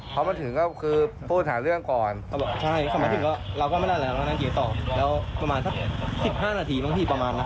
เราก็ลุงมาซื้อเบียก็ซื้อเบียเสร็จ